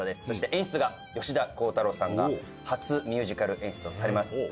そして演出が吉田鋼太郎さんが初ミュージカル演出をされます。